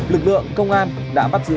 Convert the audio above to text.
lực lượng công an đã bắt giữ